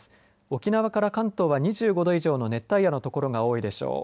沖縄から関東は２５度以上の熱帯夜の所が多いでしょう。